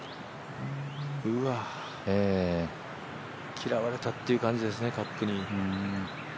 嫌われたっていう感じですね、カップに。